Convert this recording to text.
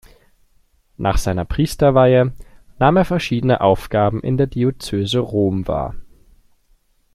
Nach seiner Priesterweihe nahm er verschiedene Aufgaben in der Diözese Rom wahr.